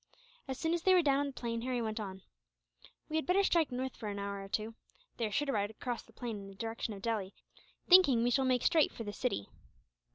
As soon as they were down on the plain, Harry went on: "We had better strike north, for an hour or two. They are sure to ride across the plain in the direction of Delhi, thinking we shall make straight for the city."